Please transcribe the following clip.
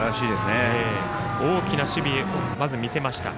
大きな守備をまず、見せました。